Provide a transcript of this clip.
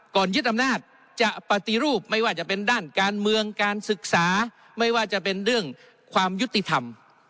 ยึดอำนาจจะปฏิรูปไม่ว่าจะเป็นด้านการเมืองการศึกษาไม่ว่าจะเป็นเรื่องความยุติธรรม